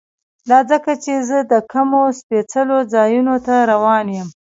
دا ځکه چې زه د کومو سپېڅلو ځایونو ته روان یم.